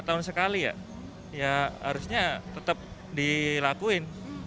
lima tahun sekali ya harusnya tetap dilakuin